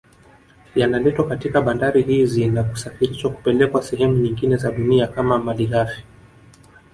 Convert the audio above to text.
Yanaletwa katika bandari hizi na kusafirishwa kupelekwa sehemu nyingine za dunia kama malighafi